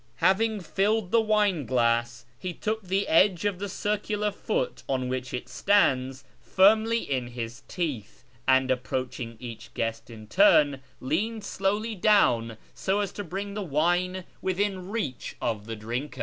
Having filled the wine glass, he took the edge of the circular foot on which it stands firmly in his teeth, and, approaching each guest in turn, leaned slowly lown so as to bring the wine within reach of the drinker.